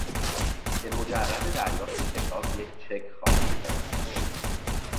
به مجرد دریافت کتاب یک چک خواهیم فرستاد.